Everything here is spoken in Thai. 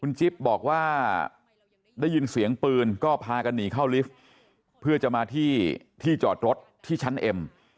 จิ๊บบอกว่าได้ยินเสียงปืนก็พากันหนีเข้าลิฟท์เพื่อจะมาที่ที่จอดรถที่ชั้นเอ็ม